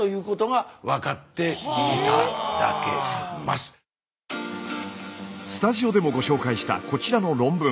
スタジオでもご紹介したこちらの論文。